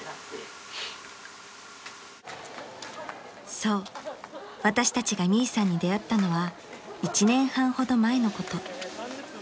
［そう私たちがミイさんに出会ったのは１年半ほど前のこと］